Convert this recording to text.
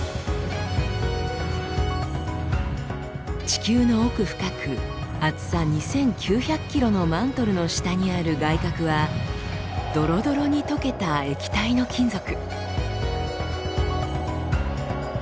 地球の奥深く厚さ２，９００ｋｍのマントルの下にある外核はどろどろに溶けた液体の金属。